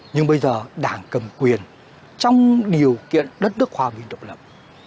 nhưng bây giờ đảng cầm quyền trong điều kiện đất nước hòa bình độc lập